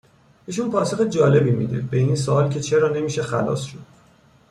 ایشون پاسخ جالبی میده به این سوال که چرا نمیشه خَلاص شد